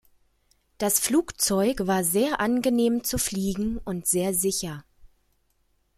Das Flugzeug war sehr angenehm zu fliegen und sehr sicher.